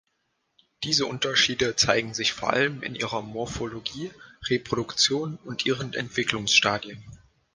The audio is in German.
Diese Unterschiede zeigen sich vor allem in ihrer Morphologie, Reproduktion und ihren Entwicklungsstadien.